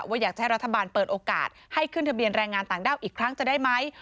ว่าอยากจะให้รัฐบาลเปิดโอกาสให้ขึ้นทะเบียนแรงงานต่างด้าวอีกครั้งจะได้ไหม